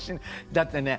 だってね